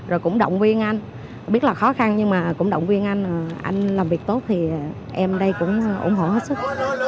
rồi cũng động viên anh biết là khó khăn nhưng mà cũng động viên anh làm việc tốt thì em đây cũng ủng hộ hết sức